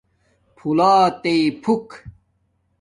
پھلات تئ فݸک